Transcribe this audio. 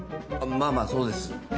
まあまあそうです。